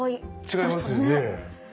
違いますよね。